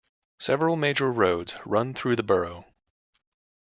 Several major roads run through the borough.